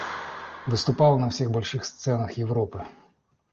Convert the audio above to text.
Выступала на всех больших сценах Европы.